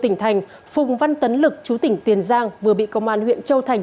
tỉnh thành phùng văn tấn lực chú tỉnh tiền giang vừa bị công an huyện châu thành